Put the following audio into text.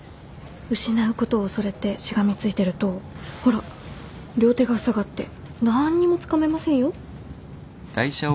失うことを恐れてしがみついてるとほら両手がふさがってなーんにもつかめませんよ。